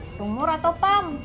sumur atau pam